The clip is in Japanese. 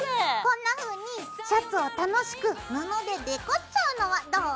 こんなふうにシャツを楽しく布でデコっちゃうのはどう？